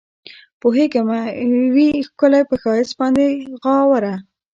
پوهېږمه وي ښکلي پۀ ښائست باندې غاوره